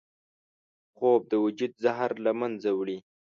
خوب د وجود زهر له منځه وړي